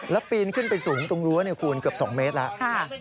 แล้วปีนขึ้นไปสูงตรงรั้วเนี่ยคุณเกือบ๒เมตรแล้ว